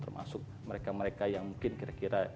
termasuk mereka mereka yang mungkin kira kira